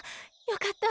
よかった。